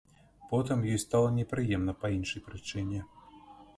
Потым ёй стала непрыемна па іншай прычыне.